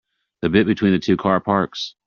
The bit between the two car parks?